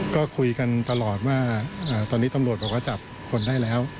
ก็คุยกันตลอดว่าตอนนี้ตำรวจบอกว่าจับคนได้แล้ว